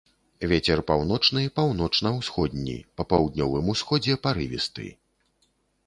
Вецер паўночны, паўночна-ўсходні, па паўднёвым усходзе парывісты.